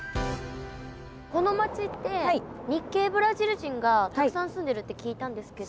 この町って日系ブラジル人がたくさん住んでるって聞いたんですけど。